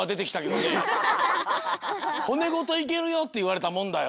「ほねごといけるよ」っていわれたもんだよ。